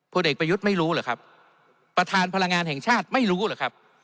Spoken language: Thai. เด็กประยุทธ์ไม่รู้เหรอครับประธานพลังงานแห่งชาติไม่รู้เหรอครับ